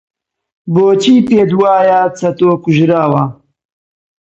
بۆچی پێت وایە چەتۆ کوژراوە؟